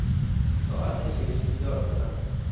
ساعت شش بیدار شدم.